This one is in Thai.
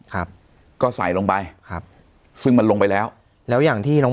ครับก็ใส่ลงไปครับซึ่งมันลงไปแล้วแล้วอย่างที่น้อง